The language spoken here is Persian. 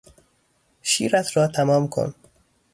شیرت را تمام کن!